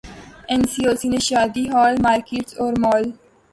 N C O C نے شادی hall, markets اور مال